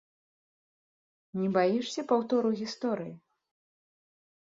Не баішся паўтору гісторыі?